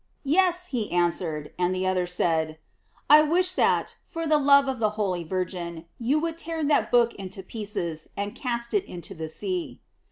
"Yes," he answered; and the other said, "I wish that, for love of the holy Virgin, you would tear that book in pieces and cast it into the sea."